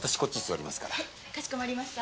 はいかしこまりました。